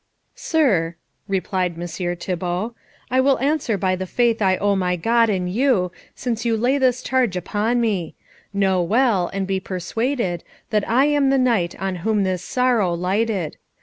"Sir," replied Messire Thibault, "I will answer by the faith I owe my God and you, since you lay this charge upon me. Know well, and be persuaded, that I am the knight on whom this sorrow lighted.